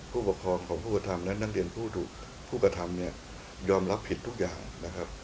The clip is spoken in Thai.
ผู้ปกครองของผู้ปกฏธรรมและนักเรียนผู้ปกฏธรรมเนี่ยยอมรับผิดทุกอย่างนะครับ